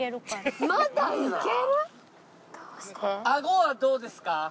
アゴはどうですか？